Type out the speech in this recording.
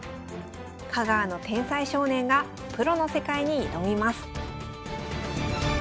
「香川の天才少年」がプロの世界に挑みます。